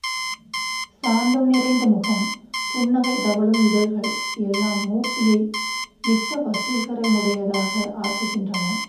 சாந்தம் நிறைந்த முகம், புன்னகை தவழும் இதழ்கள் எல்லாம் மூர்த்தியை மிக்க வசீகரமுடையதாக ஆக்குகின்றன.